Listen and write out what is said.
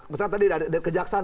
misalnya tadi ada kejaksaan